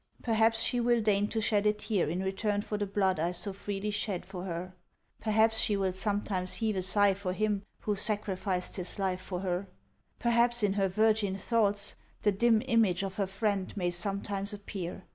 Perhaps she will deign to shed a tear in return for the blood I so freely shed for her; perhaps HANS OF ICELAND. 459 she will sometimes heave a sigh for him who sacrificed his life for her ; perhaps in her virgin thoughts the dim image of her friend may sometimes appear.